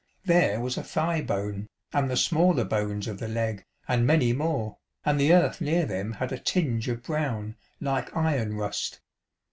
There was a thigh bone, and the smaller bones of the leg, and many more, and the earth near them had a tinge of brown, like iron rust.